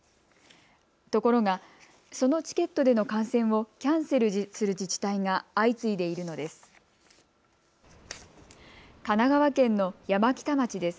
ところが、そのチケットでの観戦をキャンセルする自治体が相次いでいるのです。